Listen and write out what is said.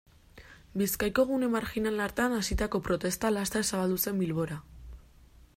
Bizkaiko gune marjinal hartan hasitako protesta laster zabaldu zen Bilbora.